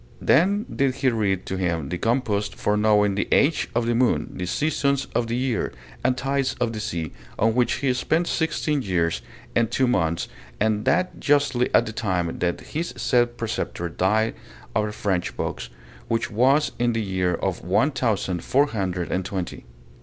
Then did he read to him the compost for knowing the age of the moon, the seasons of the year, and tides of the sea, on which he spent sixteen years and two months, and that justly at the time that his said preceptor died of the French pox, which was in the year one thousand four hundred and twenty.